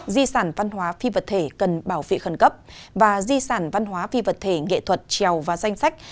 di sản văn hóa phi vật thể cần bảo vệ khẩn cấp và di sản văn hóa phi vật thể nghệ thuật trèo và danh sách